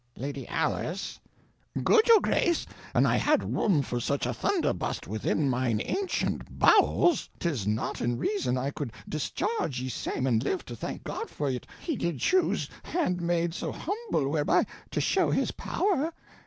Lady Alice. Good your grace, an' I had room for such a thunderbust within mine ancient bowels, 'tis not in reason I coulde discharge ye same and live to thank God for yt He did choose handmaid so humble whereby to shew his power.